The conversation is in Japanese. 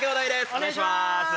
お願いします！